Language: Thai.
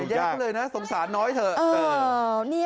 อย่าแยกเลยนะสงสารน้อยเถอะ